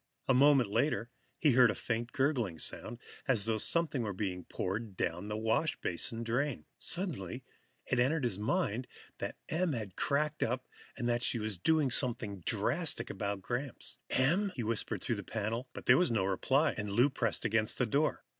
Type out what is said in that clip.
A moment later, he heard a faint gurgling sound, as though something were being poured down the washbasin drain. Suddenly, it entered his mind that Em had cracked up, that she was in there doing something drastic about Gramps. "Em?" he whispered through the panel. There was no reply, and Lou pressed against the door.